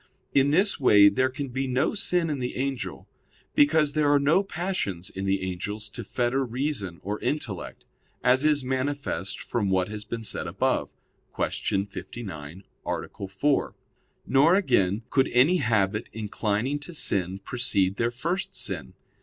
In this way there can be no sin in the angel; because there are no passions in the angels to fetter reason or intellect, as is manifest from what has been said above (Q. 59, A. 4); nor, again, could any habit inclining to sin precede their first sin.